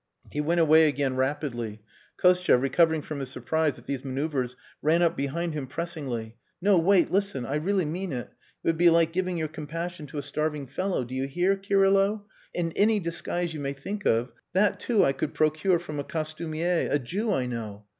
He went away again rapidly. Kostia, recovering from his surprise at these manoeuvres, ran up behind him pressingly. "No! Wait! Listen. I really mean it. It would be like giving your compassion to a starving fellow. Do you hear, Kirylo? And any disguise you may think of, that too I could procure from a costumier, a Jew I know.